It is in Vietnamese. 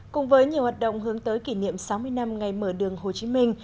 cùng với nhiều hoạt động hướng tới kỷ niệm sáu mươi năm ngày mở đường hồ chí minh